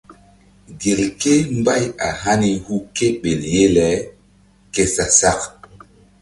Gelke mbay a hani hu ke ɓel ye le ke sa-sak.